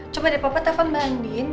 coba deh papa telepon bandin